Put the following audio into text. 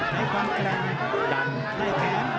ใกล้แขนแล้วแข้ง